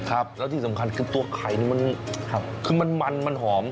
ครับแล้วที่สำคัญคือตัวไข่นี่มันคือมันมันหอม